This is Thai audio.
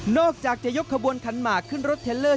อกจากจะยกขบวนขันหมากขึ้นรถเทลเลอร์